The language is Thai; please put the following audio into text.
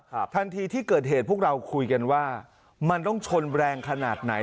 ทันทีที่เกิดเหตุพวกเราคุยกันว่ามันต้องชนแรงขนาดไหน